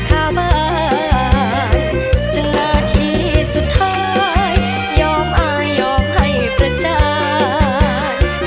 ชาวบ้านจึงนาทีสุดท้ายยอมอายยอมให้ประจาน